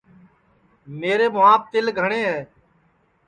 میرے مُھواپ تیل گھٹؔے ہے